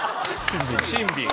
シンビン。